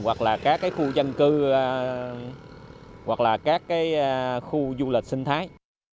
hoặc là các cái khu dân cư hoặc là các cái khu du lịch sinh thái